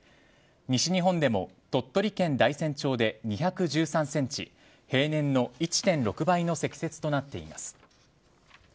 西日本でも鳥取県大山町で２１３ｃｍ平年の１．６倍の積雪となっています。